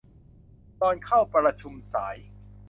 รอนเข้าประชุมสาย